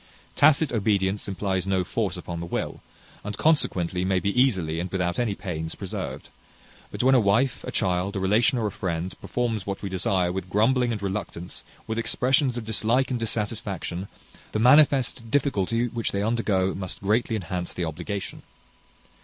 Tacit obedience implies no force upon the will, and consequently may be easily, and without any pains, preserved; but when a wife, a child, a relation, or a friend, performs what we desire, with grumbling and reluctance, with expressions of dislike and dissatisfaction, the manifest difficulty which they undergo must greatly enhance the obligation.